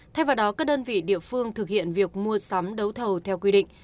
thay vào đó các đơn vị địa phương thực hiện việc mua sắm đấu thầu theo quy định